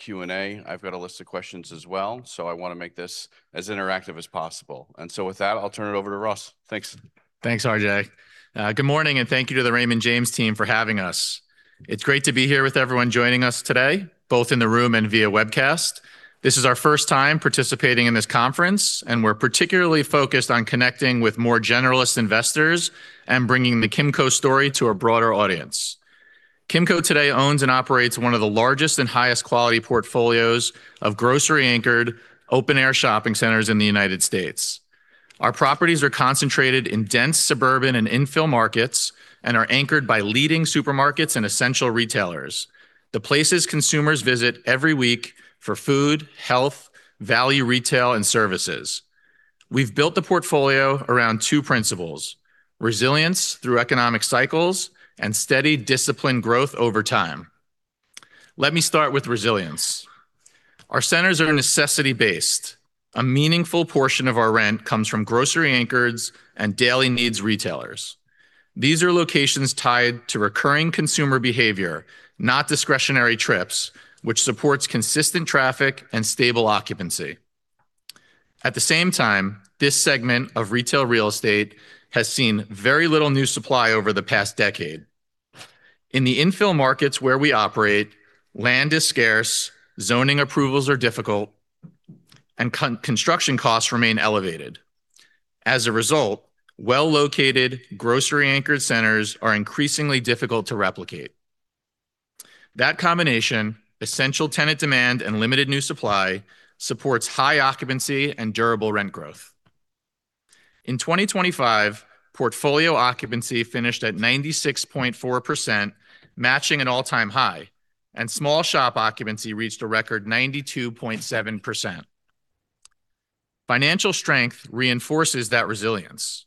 Q&A. I've got a list of questions as well, I wanna make this as interactive as possible. With that, I'll turn it over to Ross. Thanks. Thanks, RJ. Good morning, thank you to the Raymond James team for having us. It's great to be here with everyone joining us today, both in the room and via webcast. This is our first time participating in this conference, we're particularly focused on connecting with more generalist investors and bringing the Kimco story to a broader audience. Kimco today owns and operates one of the largest and highest quality portfolios of grocery-anchored, open-air shopping centers in the United States. Our properties are concentrated in dense Suburban and Infill markets and are anchored by leading supermarkets and essential retailers, the places consumers visit every week for food, health, value retail, and services. We've built the portfolio around two principles, resilience through economic cycles and steady, disciplined growth over time. Let me start with resilience. Our centers are necessity-based. A meaningful portion of our rent comes from grocery anchors and daily needs retailers. These are locations tied to recurring consumer behavior, not discretionary trips, which supports consistent traffic and stable occupancy. At the same time, this segment of retail real estate has seen very little new supply over the past decade. In the infill markets where we operate, land is scarce, zoning approvals are difficult, and construction costs remain elevated. As a result, well-located grocery-anchored centers are increasingly difficult to replicate. That combination, essential tenant demand and limited new supply, supports high occupancy and durable rent growth. In 2025, portfolio occupancy finished at 96.4%, matching an all-time high, and small shop occupancy reached a record 92.7%. Financial strength reinforces that resilience.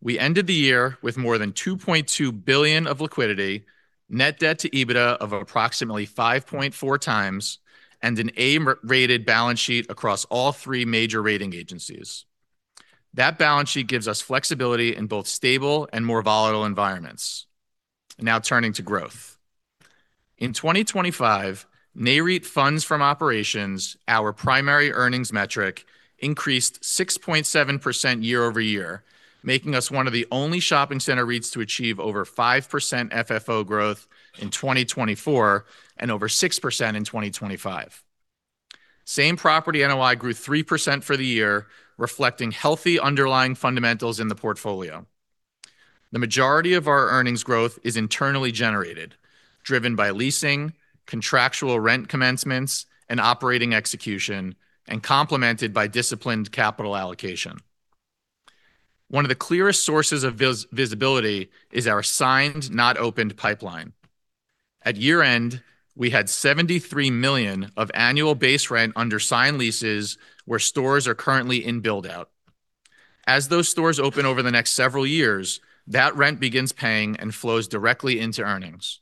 We ended the year with more than $2.2 billion of liquidity, net debt to EBITDA of approximately 5.4x, and an A-rated balance sheet across all three major rating agencies. That balance sheet gives us flexibility in both stable and more volatile environments. Turning to growth. In 2025, Nareit funds from operations, our primary earnings metric, increased 6.7% year-over-year, making us one of the only shopping center REITs to achieve over 5% FFO growth in 2024 and over 6% in 2025. Same property NOI grew 3% for the year, reflecting healthy underlying fundamentals in the portfolio. The majority of our earnings growth is internally generated, driven by leasing, contractual rent commencements, and operating execution, and complemented by disciplined capital allocation. One of the clearest sources of visibility is our signed-not-opened pipeline. At year-end, we had $73 million of annual base rent under signed leases where stores are currently in build-out. As those stores open over the next several years, that rent begins paying and flows directly into earnings.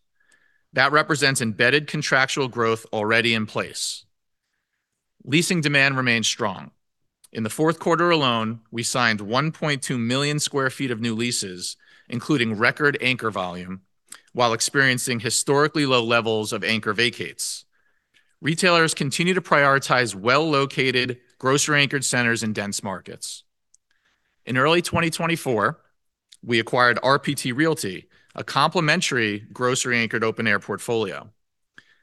That represents embedded contractual growth already in place. Leasing demand remains strong. In the fourth quarter alone, we signed 1.2 million sq ft of new leases, including record anchor volume, while experiencing historically low levels of anchor vacates. Retailers continue to prioritize well-located grocery-anchored centers in dense markets. In early 2024, we acquired RPT Realty, a complementary grocery-anchored open-air portfolio.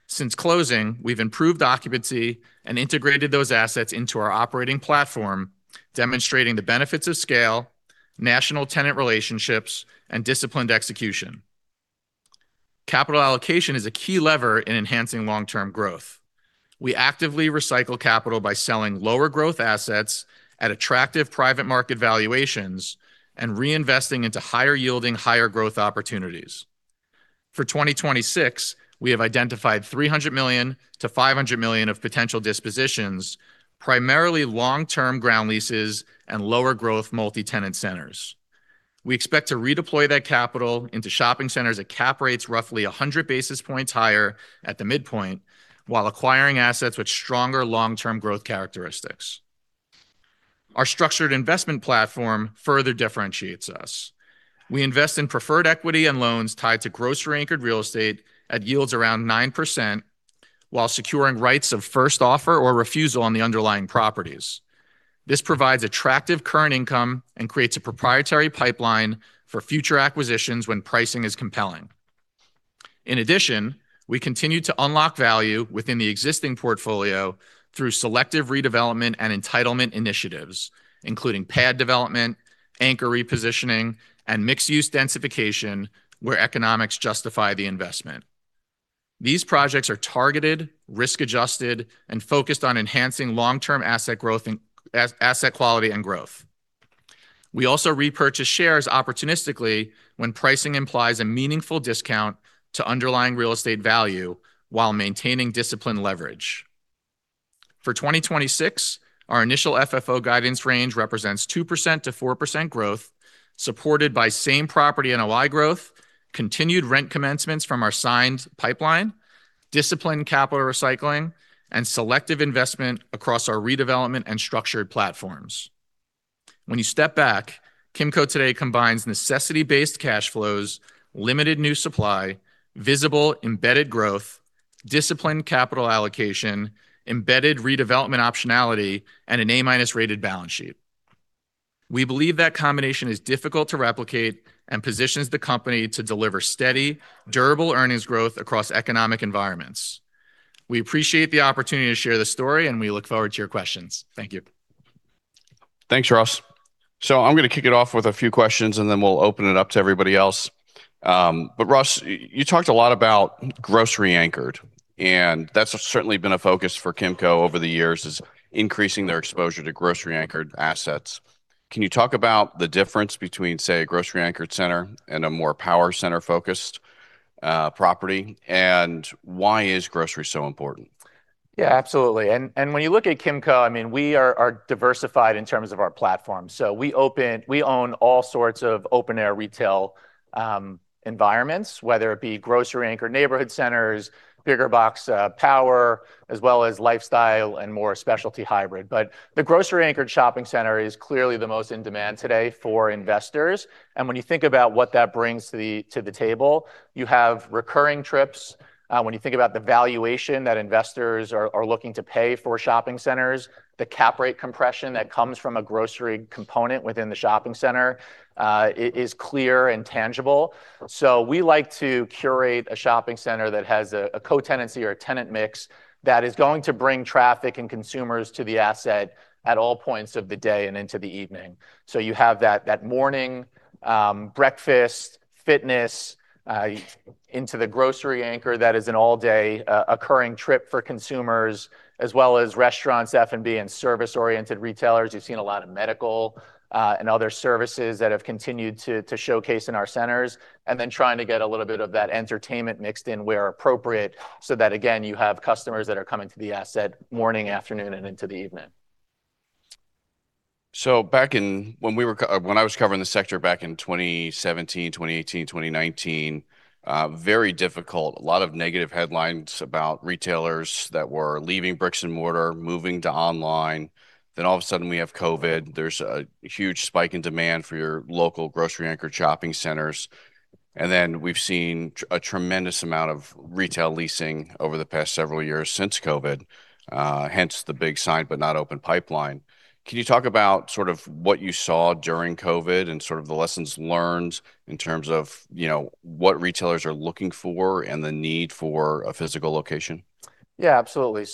Since closing, we've improved occupancy and integrated those assets into our operating platform, demonstrating the benefits of scale, national tenant relationships, and disciplined execution. Capital allocation is a key lever in enhancing long-term growth. We actively recycle capital by selling lower growth assets at attractive private market valuations and reinvesting into higher yielding, higher growth opportunities. For 2026, we have identified $300 million-$500 million of potential dispositions, primarily long-term ground leases and lower growth multi-tenant centers. We expect to redeploy that capital into shopping centers at cap rates roughly 100 basis points higher at the midpoint while acquiring assets with stronger long-term growth characteristics. Our structured investment platform further differentiates us. We invest in preferred equity and loans tied to grocery-anchored real estate at yields around 9% while securing rights of first offer or refusal on the underlying properties. This provides attractive current income and creates a proprietary pipeline for future acquisitions when pricing is compelling. In addition, we continue to unlock value within the existing portfolio through selective redevelopment and entitlement initiatives, including pad development, anchor repositioning, and mixed-use densification where economics justify the investment. These projects are targeted, risk-adjusted, and focused on enhancing long-term asset growth and asset quality, and growth. We also repurchase shares opportunistically when pricing implies a meaningful discount to underlying real estate value while maintaining disciplined leverage. For 2026, our initial FFO guidance range represents 2%-4% growth supported by same-property NOI growth, continued rent commencements from our signed pipeline, disciplined capital recycling, and selective investment across our redevelopment and structured platforms. When you step back, Kimco today combines necessity-based cash flows, limited new supply, visible embedded growth, disciplined capital allocation, embedded redevelopment optionality, and an A-minus rated balance sheet. We believe that combination is difficult to replicate and positions the company to deliver steady, durable earnings growth across economic environments. We appreciate the opportunity to share this story, and we look forward to your questions. Thank you. Thanks, Ross. I'm gonna kick it off with a few questions, and then we'll open it up to everybody else. Ross, you talked a lot about grocery anchored, and that's certainly been a focus for Kimco over the years, is increasing their exposure to grocery anchored assets. Can you talk about the difference between, say, a grocery anchored center and a more power center-focused property? Why is grocery so important? Yeah, absolutely. When you look at Kimco, I mean, we are diversified in terms of our platform. We own all sorts of open air retail environments, whether it be grocery anchored neighborhood centers, bigger box, power, as well as lifestyle and more specialty hybrid. The grocery anchored shopping center is clearly the most in demand today for investors. When you think about what that brings to the table, you have recurring trips. When you think about the valuation that investors are looking to pay for shopping centers, the cap rate compression that comes from a grocery component within the shopping center is clear and tangible. We like to curate a shopping center that has a co-tenancy or a tenant mix that is going to bring traffic and consumers to the asset at all points of the day and into the evening. You have that morning, breakfast, fitness, into the grocery anchor that is an all-day, occurring trip for consumers, as well as restaurants, F&B, and service-oriented retailers. You've seen a lot of Medical, and other services that have continued to showcase in our centers, and then trying to get a little bit of that entertainment mixed in where appropriate so that, again, you have customers that are coming to the asset morning, afternoon, and into the evening. Back in when I was covering the sector back in 2017, 2018, 2019, very difficult. A lot of negative headlines about retailers that were leaving bricks and mortar, moving to online. All of a sudden we have COVID. There's a huge spike in demand for your local grocery anchored shopping centers. We've seen a tremendous amount of retail leasing over the past several years since COVID, hence the big signed-not-opened pipeline. Can you talk about sort of what you saw during COVID and sort of the lessons learned in terms of, you know, what retailers are looking for and the need for a physical location? Yeah, absolutely.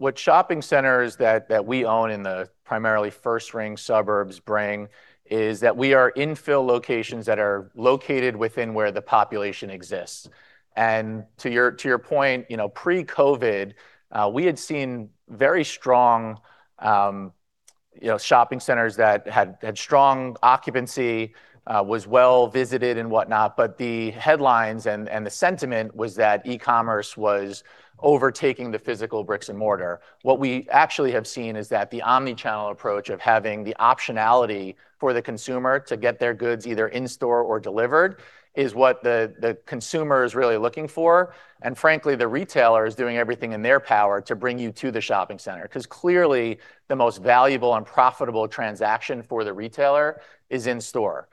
What shopping centers that we own in the primarily first ring suburbs bring is that we are infill locations that are located within where the population exists. To your point, you know, pre-COVID, we had seen very strong, you know, shopping centers that had strong occupancy, was well visited and whatnot, but the headlines and the sentiment was that e-commerce was overtaking the physical bricks and mortar. What we actually have seen is that the omni-channel approach of having the optionality for the consumer to get their goods either in store or delivered is what the consumer is really looking for. Frankly, the retailer is doing everything in their power to bring you to the shopping center 'cause clearly the most valuable and profitable transaction for the retailer is in store.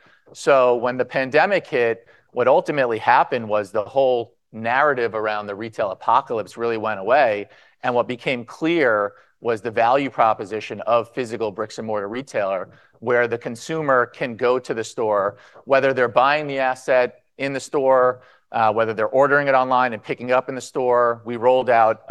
When the pandemic hit, what ultimately happened was the whole narrative around the retail apocalypse really went away, and what became clear was the value proposition of physical bricks-and-mortar retailer, where the consumer can go to the store, whether they're buying the asset in the store, whether they're ordering it online and picking up in the store. We rolled out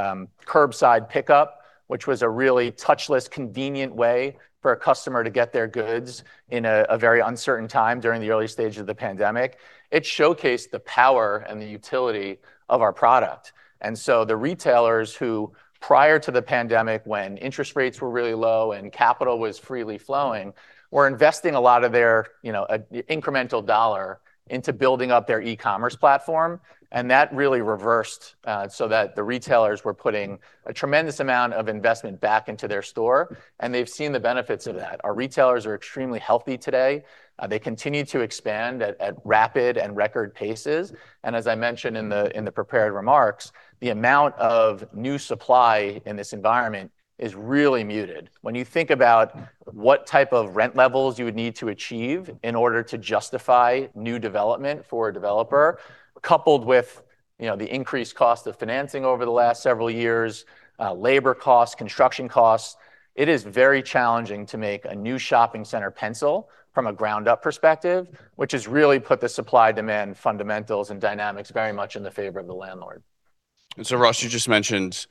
curbside pickup, which was a really touchless, convenient way for a customer to get their goods in a very uncertain time during the early stage of the pandemic. It showcased the power and the utility of our product. The retailers who, prior to the pandemic, when interest rates were really low and capital was freely flowing, were investing a lot of their, you know, incremental dollar into building up their e-commerce platform. That really reversed, so that the retailers were putting a tremendous amount of investment back into their store, and they've seen the benefits of that. Our retailers are extremely healthy today. They continue to expand at rapid and record paces. As I mentioned in the prepared remarks, the amount of new supply in this environment is really muted. When you think about what type of rent levels you would need to achieve in order to justify new development for a developer, coupled with, you know, the increased cost of financing over the last several years, labor costs, construction costs, it is very challenging to make a new shopping center pencil from a ground up perspective, which has really put the supply demand fundamentals and dynamics very much in the favor of the landlord. Ross, you just mentioned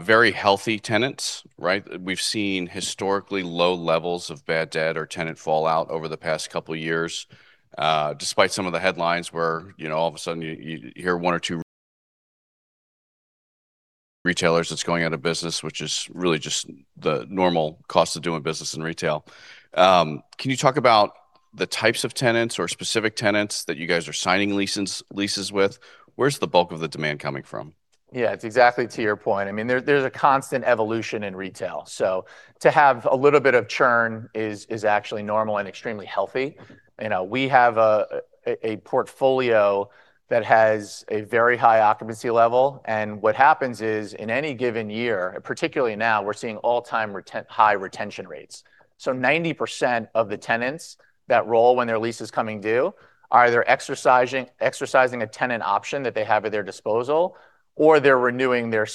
very healthy tenants, right? We've seen historically low levels of bad debt or tenant fallout over the past couple years, despite some of the headlines where, you know, all of a sudden you hear one or two retailers that's going out of business, which is really just the normal cost of doing business in retail. Can you talk about the types of tenants or specific tenants that you guys are signing leases with? Where's the bulk of the demand coming from? Yeah, it's exactly to your point. I mean, there's a constant evolution in retail. To have a little bit of churn is actually normal and extremely healthy. You know, we have a portfolio that has a very high occupancy level, and what happens is, in any given year, particularly now, we're seeing all-time high retention rates. 90% of the tenants that roll when their lease is coming due are either exercising a tenant option that they have at their disposal, or they're renewing their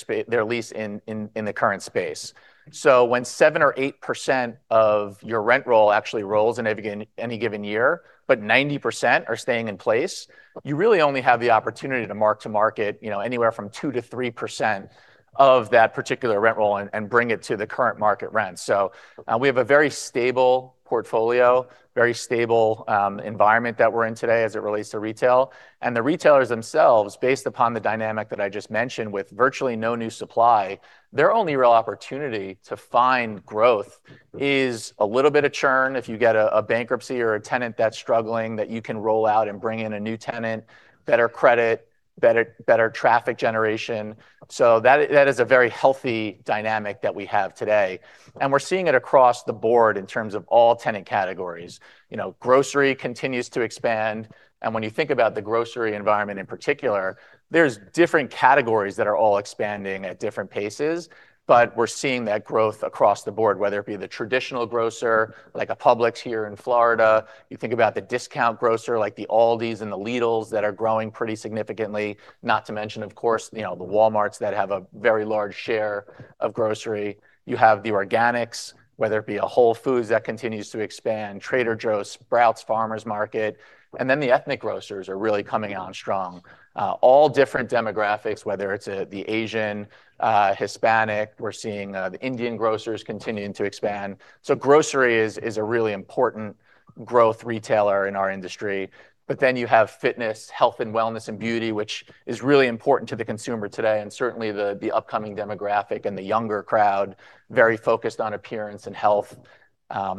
lease in the current space. When 7% or 8% of your rent roll actually rolls in any given year, but 90% are staying in place, you really only have the opportunity to mark to market, you know, anywhere from 2%-3% of that particular rent roll and bring it to the current market rent. We have a very stable portfolio, very stable, environment that we're in today as it relates to retail. The retailers themselves, based upon the dynamic that I just mentioned with virtually no new supply, their only real opportunity to find growth is a little bit of churn if you get a bankruptcy or a tenant that's struggling that you can roll out and bring in a new tenant, better credit, better traffic generation. That is a very healthy dynamic that we have today, and we're seeing it across the board in terms of all tenant categories. You know, grocery continues to expand, and when you think about the grocery environment in particular, there's different categories that are all expanding at different paces, but we're seeing that growth across the board, whether it be the traditional grocer, like a Publix here in Florida. You think about the discount grocer, like the Aldis and the Lidls that are growing pretty significantly. Not to mention, of course, you know, the Walmarts that have a very large share of grocery. You have the organics, whether it be a Whole Foods that continues to expand, Trader Joe's, Sprouts Farmers Market, and then the ethnic grocers are really coming on strong. All different demographics, whether it's the Asian, Hispanic. We're seeing the Indian grocers continuing to expand. Grocery is a really important growth retailer in our industry. You have fitness, health and wellness, and beauty, which is really important to the consumer today, and certainly the upcoming demographic and the younger crowd, very focused on appearance and health.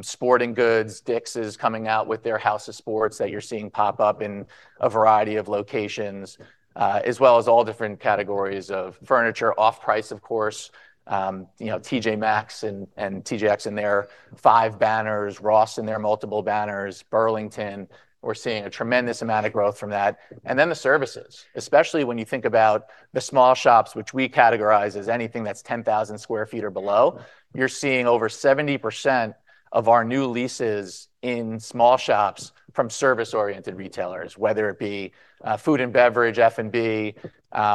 Sporting goods. Dick's is coming out with their House of Sports that you're seeing pop up in a variety of locations, as well as all different categories of furniture. Off-Price, of course. You know, TJ Maxx and TJX and their five banners. Ross and their multiple banners. Burlington. We're seeing a tremendous amount of growth from that. The services, especially when you think about the small shops which we categorize as anything that's 10,000 sq ft or below. You're seeing over 70% of our new leases in small shops from service-oriented retailers, whether it be, food and beverage, F&B,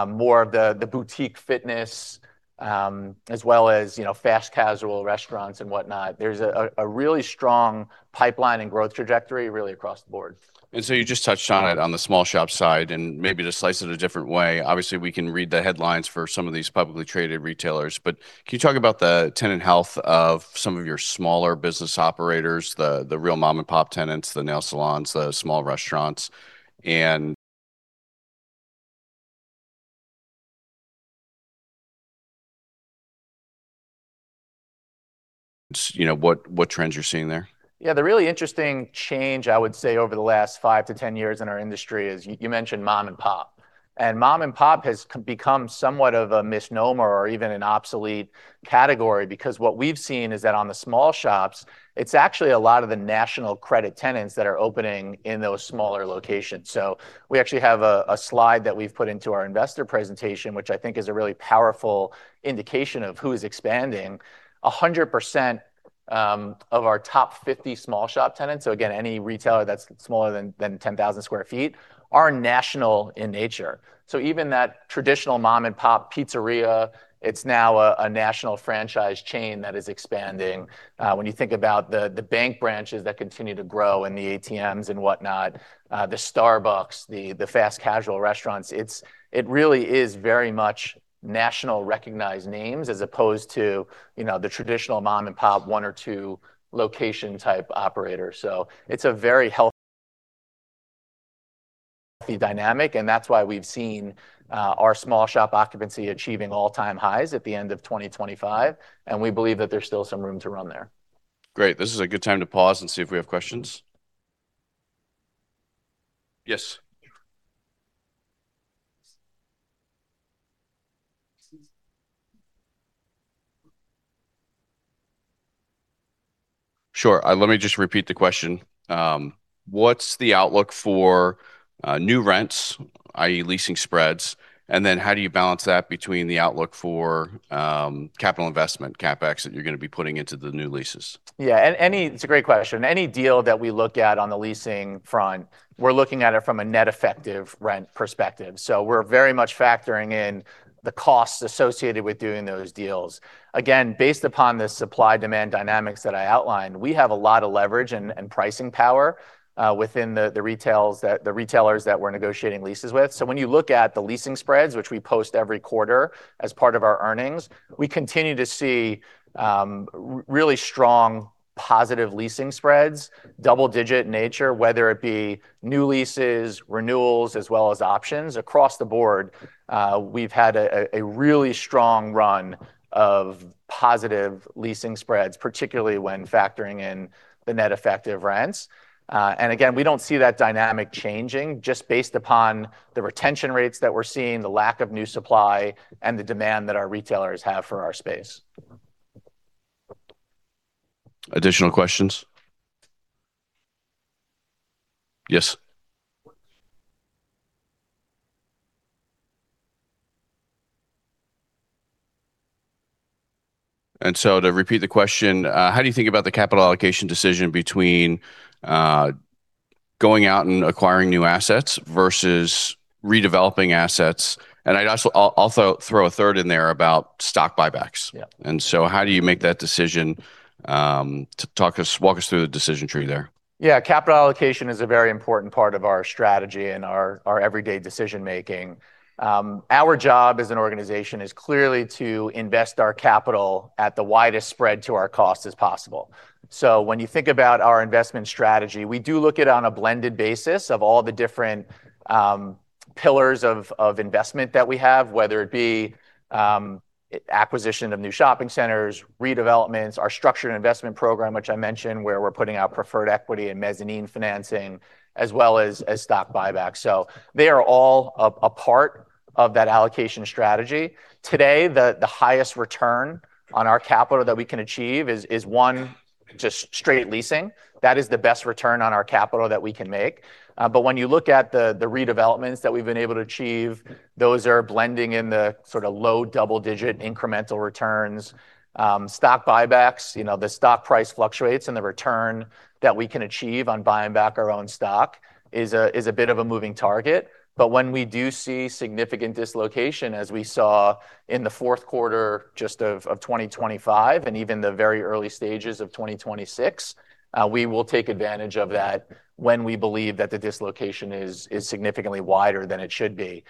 more of the boutique fitness, as well as, you know, fast casual restaurants and whatnot. There's a really strong pipeline and growth trajectory really across the board. You just touched on it on the small shop side, and maybe to slice it a different way, obviously, we can read the headlines for some of these publicly traded retailers. Can you talk about the tenant health of some of your smaller business operators, the real mom-and-pop tenants, the nail salons, the small restaurants, and, you know, what trends you're seeing there? Yeah. The really interesting change, I would say, over the last five to 10 years in our industry is you mentioned mom and pop, and mom and pop has become somewhat of a misnomer or even an obsolete category because what we've seen is that on the small shops, it's actually a lot of the national credit tenants that are opening in those smaller locations. We actually have a slide that we've put into our investor presentation, which I think is a really powerful indication of who is expanding. 100% of our top 50 small shop tenants, again, any retailer that's smaller than 10,000 sq ft, are national in nature. Even that traditional mom-and-pop pizzeria, it's now a national franchise chain that is expanding. When you think about the bank branches that continue to grow and the ATMs and whatnot, the Starbucks, the fast casual restaurants, it's, it really is very much national recognized names as opposed to, you know, the traditional mom-and-pop one or two location type operator. It's a very healthy dynamic, and that's why we've seen our small shop occupancy achieving all-time highs at the end of 2025, and we believe that there's still some room to run there. Great. This is a good time to pause and see if we have questions. Yes. Sure. Let me just repeat the question. What's the outlook for new rents, i.e. leasing spreads, and then how do you balance that between the outlook for capital investment, CapEx, that you're gonna be putting into the new leases? Yeah. It's a great question. Any deal that we look at on the leasing front, we're looking at it from a net effective rent perspective. We're very much factoring in the costs associated with doing those deals. Again, based upon the supply-demand dynamics that I outlined, we have a lot of leverage and pricing power within the retailers that we're negotiating leases with. When you look at the leasing spreads, which we post every quarter as part of our earnings, we continue to see really strong positive leasing spreads, double-digit nature, whether it be new leases, renewals, as well as options. Across the board, we've had a really strong run of positive leasing spreads, particularly when factoring in the net effective rents. Again, we don't see that dynamic changing just based upon the retention rates that we're seeing, the lack of new supply, and the demand that our retailers have for our space. Additional questions? Yes. To repeat the question, how do you think about the capital allocation decision between going out and acquiring new assets versus redeveloping assets? I'd also throw a third in there about stock buybacks. Yeah. How do you make that decision, to talk us, walk us through the decision tree there? Yeah. Capital allocation is a very important part of our strategy and our everyday decision-making. Our job as an organization is clearly to invest our capital at the widest spread to our cost as possible. When you think about our investment strategy, we do look at it on a blended basis of all the different pillars of investment that we have, whether it be acquisition of new shopping centers, redevelopments, our structured investment program which I mentioned, where we're putting out preferred equity and mezzanine financing, as well as stock buybacks. They are all a part of that allocation strategy. Today, the highest return on our capital that we can achieve is one, just straight leasing. That is the best return on our capital that we can make. When you look at the redevelopments that we've been able to achieve, those are blending in the sort of low double-digit incremental returns. Stock buybacks, you know, the stock price fluctuates, and the return that we can achieve on buying back our own stock is a bit of a moving target. When we do see significant dislocation, as we saw in the fourth quarter of 2025 and even the very early stages of 2026, we will take advantage of that when we believe that the dislocation is significantly wider than it should be.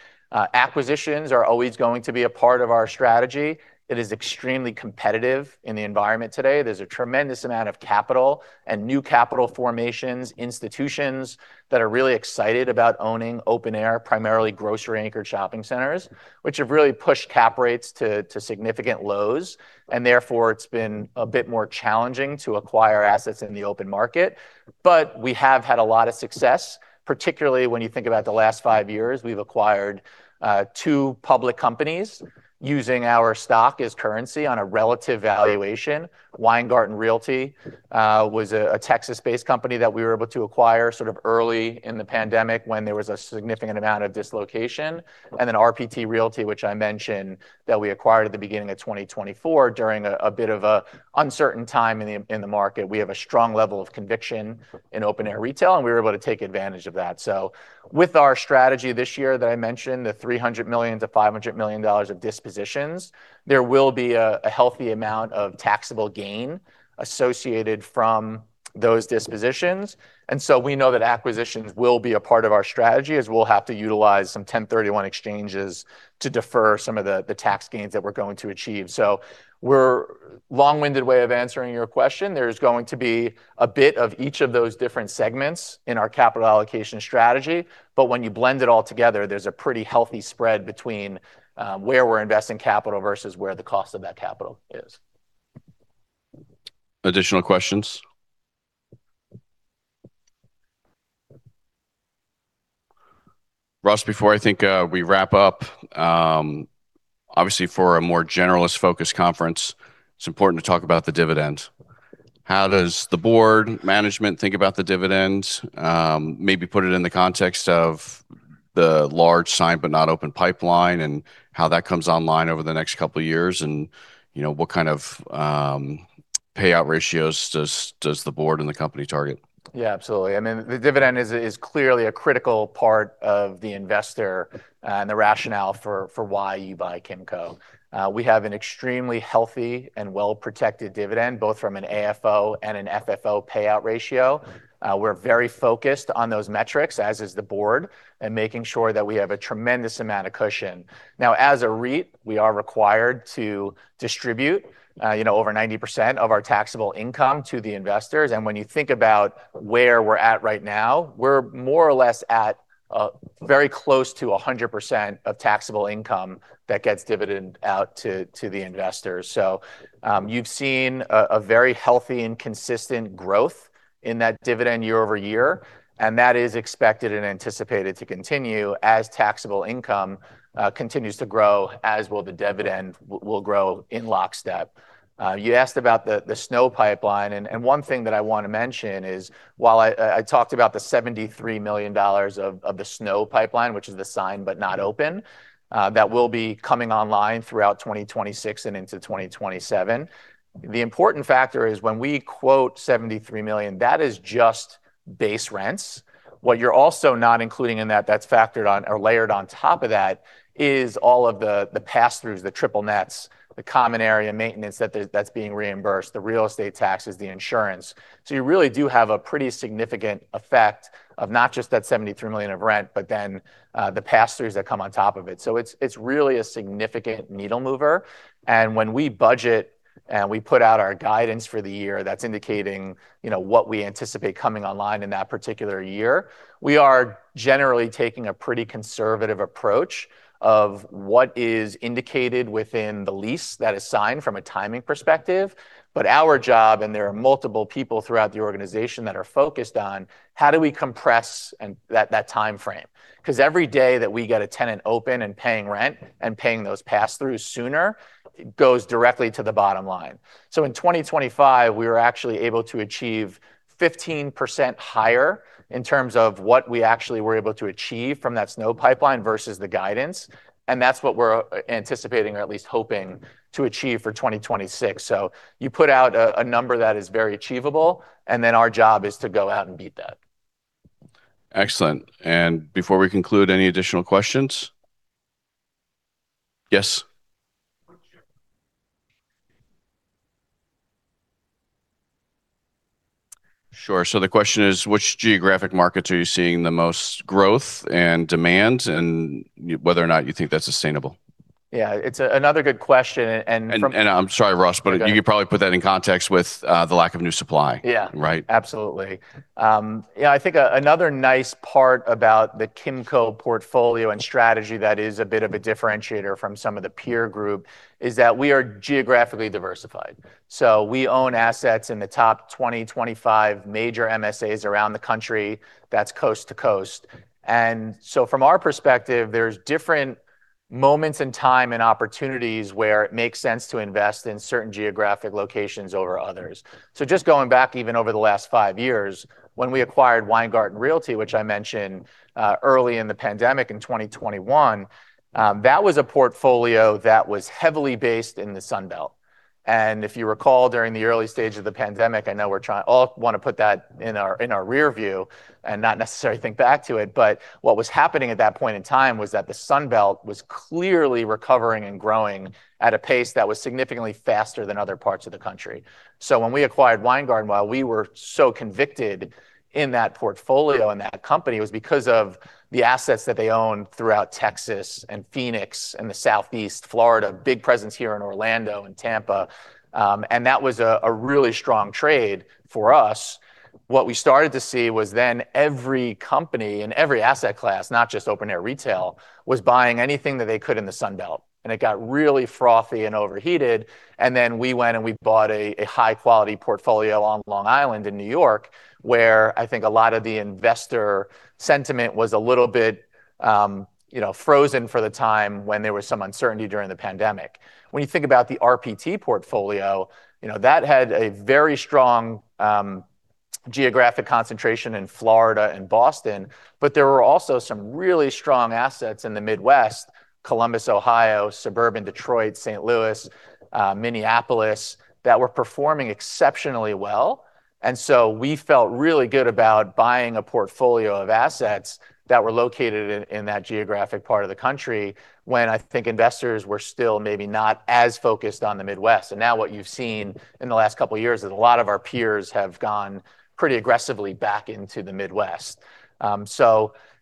Acquisitions are always going to be a part of our strategy. It is extremely competitive in the environment today. There's a tremendous amount of capital and new capital formations, institutions that are really excited about owning open air, primarily grocery anchored shopping centers, which have really pushed cap rates to significant lows, therefore it's been a bit more challenging to acquire assets in the open market. We have had a lot of success, particularly when you think about the last five years. We've acquired two public companies using our stock as currency on a relative valuation. Weingarten Realty was a Texas-based company that we were able to acquire sort of early in the pandemic when there was a significant amount of dislocation. Then RPT Realty, which I mentioned, that we acquired at the beginning of 2024 during a bit of an uncertain time in the, in the market. We have a strong level of conviction in open air retail, we were able to take advantage of that. With our strategy this year that I mentioned, the $300 million-$500 million of dispositions, there will be a healthy amount of taxable gain associated from those dispositions. We know that acquisitions will be a part of our strategy, as we'll have to utilize some 1031 exchanges to defer some of the tax gains that we're going to achieve. Long-winded way of answering your question. There is going to be a bit of each of those different segments in our capital allocation strategy, when you blend it all together, there's a pretty healthy spread between where we're investing capital versus where the cost of that capital is. Additional questions? Ross, before I think, we wrap up, obviously for a more generalist-focused conference, it's important to talk about the dividend. How does the board, management think about the dividend? Maybe put it in the context of the large signed-not-opened pipeline and how that comes online over the next couple of years and, you know, what kind of payout ratios does the board and the company target? Yeah. Absolutely. I mean, the dividend is clearly a critical part of the investor, and the rationale for why you buy Kimco. We have an extremely healthy and well protected dividend, both from an AFFO and an FFO payout ratio. We're very focused on those metrics, as is the board, in making sure that we have a tremendous amount of cushion. Now, as a REIT, we are required to distribute, you know, over 90% of our taxable income to the investors. When you think about where we're at right now, we're more or less at very close to 100% of taxable income that gets dividend out to the investors. You've seen a very healthy and consistent growth in that dividend year-over-year, and that is expected and anticipated to continue as taxable income continues to grow, as will the dividend will grow in lockstep. You asked about the SNO pipeline, and one thing that I want to mention is while I talked about the $73 million of the SNO pipeline, which is the signed but not open, that will be coming online throughout 2026 and into 2027. The important factor is when we quote $73 million, that is just base rents. What you're also not including in that's factored on or layered on top of that, is all of the pass-throughs, the triple nets, the common area maintenance that's being reimbursed, the real estate taxes, the insurance. You really do have a pretty significant effect of not just that $73 million of rent, but then, the pass-throughs that come on top of it. It's really a significant needle mover, and when we put out our guidance for the year that's indicating, you know, what we anticipate coming online in that particular year. We are generally taking a pretty conservative approach of what is indicated within the lease that is signed from a timing perspective. Our job, and there are multiple people throughout the organization that are focused on, how do we compress that timeframe. 'Cause every day that we get a tenant open and paying rent, and paying those pass-throughs sooner, goes directly to the bottom line. In 2025, we were actually able to achieve 15% higher in terms of what we actually were able to achieve from that SNO pipeline versus the guidance, and that's what we're anticipating or at least hoping to achieve for 2026. You put out a number that is very achievable, and then our job is to go out and beat that. Excellent. Before we conclude, any additional questions? Yes. Sure. The question is, which geographic markets are you seeing the most growth and demand, and whether or not you think that's sustainable. Yeah. It's another good question. I'm sorry, Ross- It's okay.... but you could probably put that in context with the lack of new supply. Yeah. Right? Absolutely. Yeah, I think another nice part about the Kimco portfolio and strategy that is a bit of a differentiator from some of the peer group is that we are geographically diversified. We own assets in the top 20, 25 major MSAs around the country, that's coast to coast. From our perspective, there's different moments in time and opportunities where it makes sense to invest in certain geographic locations over others. Just going back even over the last five years, when we acquired Weingarten Realty, which I mentioned, early in the pandemic in 2021, that was a portfolio that was heavily based in the Sun Belt. If you recall, during the early stage of the pandemic, I know we're trying... all wanna put that in our rear view and not necessarily think back to it. What was happening at that point in time was that the Sun Belt was clearly recovering and growing at a pace that was significantly faster than other parts of the country. When we acquired Weingarten, while we were so convicted in that portfolio and that company, it was because of the assets that they owned throughout Texas and Phoenix and the Southeast, Florida, big presence here in Orlando and Tampa. That was a really strong trade for us. What we started to see was every company and every asset class, not just open-air retail, was buying anything that they could in the Sun Belt, it got really frothy and overheated. We went and we bought a high quality portfolio on Long Island in New York, where I think a lot of the investor sentiment was a little bit, you know, frozen for the time when there was some uncertainty during the pandemic. When you think about the RPT portfolio, you know, that had a very strong geographic concentration in Florida and Boston, but there were also some really strong assets in the Midwest, Columbus, Ohio, Suburban Detroit, St. Louis, Minneapolis, that were performing exceptionally well. We felt really good about buying a portfolio of assets that were located in that geographic part of the country when I think investors were still maybe not as focused on the Midwest. And now what you've seen in the last couple of years is a lot of our peers have gone pretty aggressively back into the Midwest.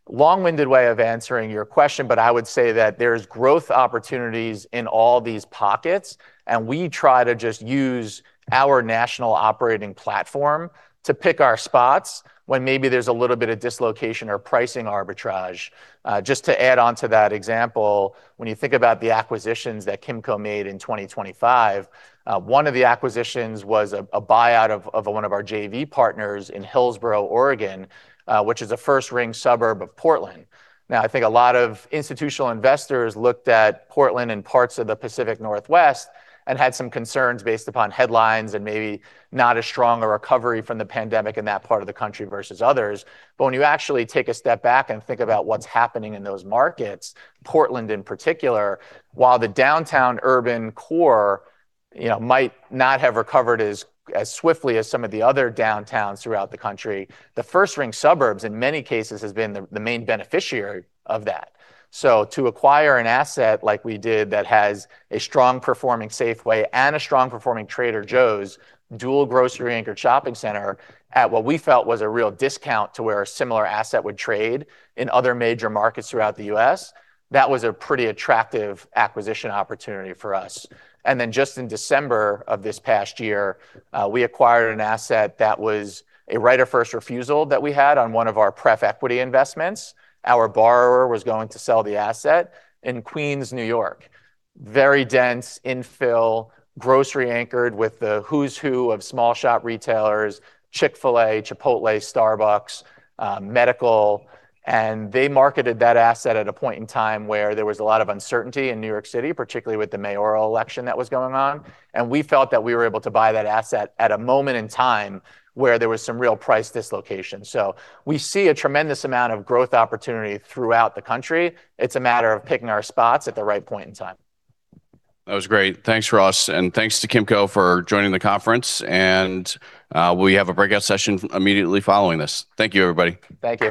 Long-winded way of answering your question, but I would say that there's growth opportunities in all these pockets, and we try to just use our national operating platform to pick our spots when maybe there's a little bit of dislocation or pricing arbitrage. Just to add on to that example, when you think about the acquisitions that Kimco made in 2025, one of the acquisitions was a buyout of one of our JV partners in Hillsboro, Oregon, which is a first-ring Suburb of Portland. I think a lot of institutional investors looked at Portland and parts of the Pacific Northwest and had some concerns based upon headlines and maybe not as strong a recovery from the pandemic in that part of the country versus others. When you actually take a step back and think about what's happening in those markets, Portland in particular, while the downtown urban core, you know, might not have recovered as swiftly as some of the other downtowns throughout the country, the first-ring suburbs, in many cases, has been the main beneficiary of that. To acquire an asset like we did that has a strong performing Safeway and a strong performing Trader Joe's dual grocery anchored shopping center at what we felt was a real discount to where a similar asset would trade in other major markets throughout the U.S., that was a pretty attractive acquisition opportunity for us. Just in December of this past year, we acquired an asset that was a right of first refusal that we had on one of our pref equity investments. Our borrower was going to sell the asset in Queens, New York. Very dense infill, grocery anchored with the who's who of small shop retailers, Chick-fil-A, Chipotle, Starbucks, Medical. They marketed that asset at a point in time where there was a lot of uncertainty in New York City, particularly with the mayoral election that was going on. We felt that we were able to buy that asset at a moment in time where there was some real price dislocation. We see a tremendous amount of growth opportunity throughout the country. It's a matter of picking our spots at the right point in time. That was great. Thanks, Ross, and thanks to Kimco for joining the conference. We have a breakout session immediately following this. Thank you, everybody. Thank you.